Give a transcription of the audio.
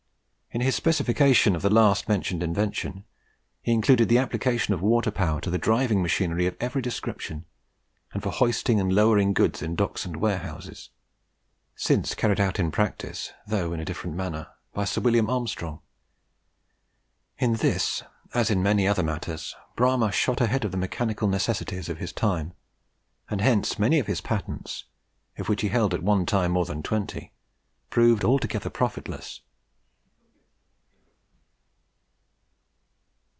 In his specification of the last mentioned invention, he included the application of water power to the driving of machinery of every description, and for hoisting and lowering goods in docks and warehouses, since carried out in practice, though in a different manner, by Sir William Armstrong. In this, as in many other matters, Bramah shot ahead of the mechanical necessities of his time; and hence many of his patents (of which he held at one time more than twenty) proved altogether profitless.